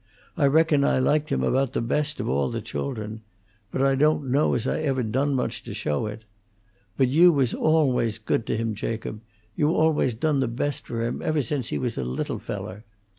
I reckon I liked him about the best of all the children; but I don't know as I ever done much to show it. But you was always good to him, Jacob; you always done the best for him, ever since he was a little feller.